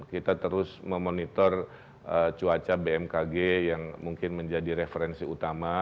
kita terus memonitor cuaca bmkg yang mungkin menjadi referensi utama